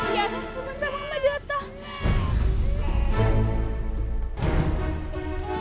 iyan sebentar mak mau datang